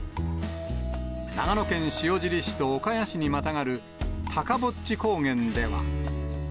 長野県塩尻市と岡谷市にまたがる高ボッチ高原では。